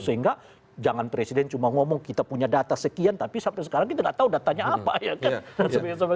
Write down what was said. sehingga jangan presiden cuma ngomong kita punya data sekian tapi sampai sekarang kita nggak tahu datanya apa ya kan